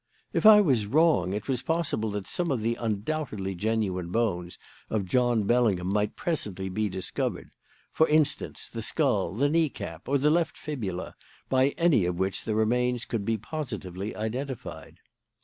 "If I was wrong, it was possible that some of the undoubtedly genuine bones of John Bellingham might presently be discovered; for instance, the skull, the knee cap, or the left fibula, by any of which the remains could be positively identified.